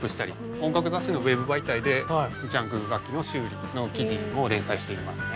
音楽雑誌のウェブ媒体でジャンク楽器の修理の記事を連載していますね。